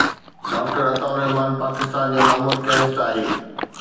Doctor Atta ur-Rahman Pakistan جو نامور chemist آهي.